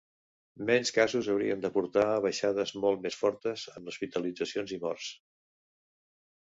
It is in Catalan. Menys casos haurien de portar a baixades molt més fortes en hospitalitzacions i morts.